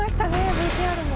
ＶＴＲも。